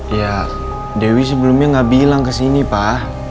iya dewi sebelumnya ga bilang kesini pak